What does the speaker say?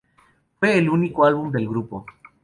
Fue el único álbum del grupo.